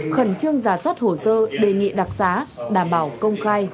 khẩn trương giả soát hồ sơ đề nghị đặc giá đảm bảo công khai